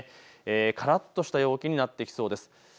からっとした陽気になってきそうです。